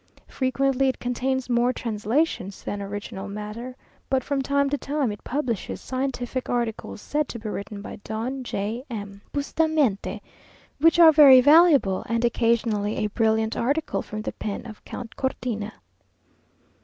Frequently it contains more translations than original matter; but from time to time it publishes scientific articles, said to be written by Don J. M. Bustamante, which are very valuable, and occasionally a brilliant article from the pen of Count Cortina.